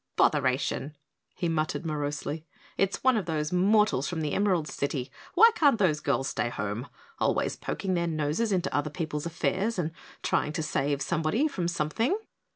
"Botheration!" he muttered morosely. "It's one of those mortals from the Emerald City. Why can't those girls stay home always poking their noses into other people's affairs and trying to save somebody from something."